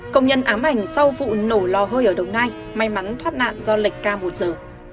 công nhân ám ảnh sau vụ nổ lò hơi ở đồng nai may mắn thoát nạn do lệch ca một giờ